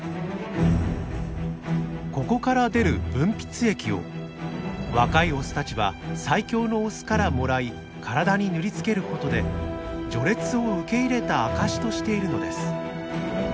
ここから出る分泌液を若いオスたちは最強のオスからもらい体に塗りつけることで序列を受け入れた証しとしているのです。